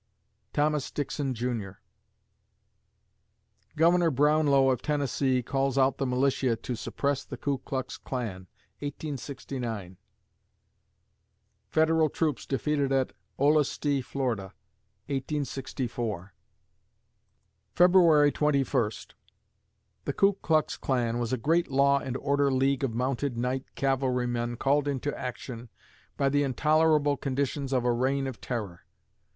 THOMAS DIXON, JR. Governor Brownlow of Tennessee calls out the militia to suppress the Ku Klux Klan, 1869 Federal troops defeated at Olustee, Fla., 1864 February Twenty First The Ku Klux Klan was a great Law and Order League of mounted night cavalrymen called into action by the intolerable conditions of a reign of terror....